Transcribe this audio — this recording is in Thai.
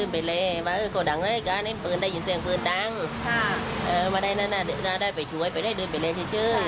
พวกมันเกี่ยวกับแบบนั้นอย่ายาช่วยเป็นคนเดียว